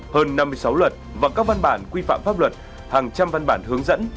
hơn năm mươi sáu luật và các văn bản quy phạm pháp luật hàng trăm văn bản hướng dẫn